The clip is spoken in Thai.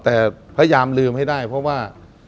แต่พยายามลืมให้ได้เพราะว่า